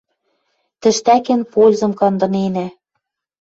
Тӹштӓкен пользым кандыненӓ».